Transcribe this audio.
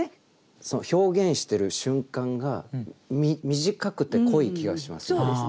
その表現している瞬間が短くて濃い気がします。